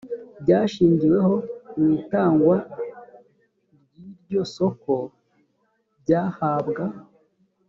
byashingiweho mu itangwa ry iryo soko byahabwa